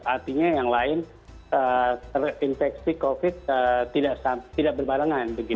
artinya yang lain terinfeksi covid tidak berbarengan